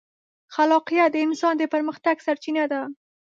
خلاقیت د انسان د پرمختګ سرچینه ده.